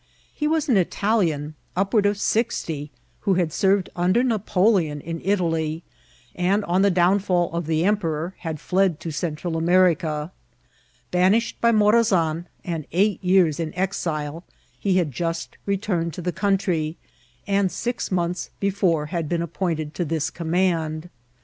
He was an Italian, upward of sixtji who had served under Napoleon in Italy, and <m the downfall of the emperor had fled to Central America* Banished by Morazan, and eight years in exile, he had just returned to the country, and six months before had been a{^inted to this command.